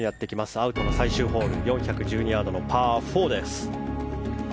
アウトの最終ホール４１２ヤードのパー４です。